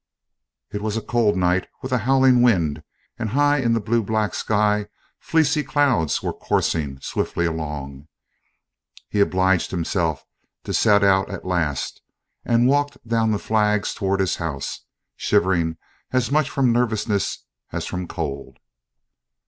It was a cold night, with a howling wind, and high in the blue black sky fleecy clouds were coursing swiftly along; he obliged himself to set out at last, and walked down the flags towards his house, shivering as much from nervousness as cold.